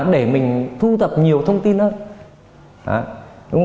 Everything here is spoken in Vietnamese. để mình thu tập nhiều thông tin hơn